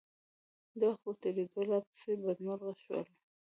د وخت په تېرېدو لا پسې بدمرغه شول.